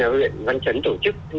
huyện văn trấn tổ chức